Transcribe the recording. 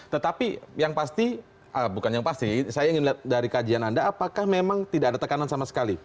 tetapi yang pasti bukan yang pasti saya ingin lihat dari kajian anda apakah memang tidak ada tekanan sama sekali